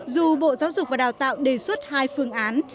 dù bộ giáo dục và đào tạo đề xuất hai phương án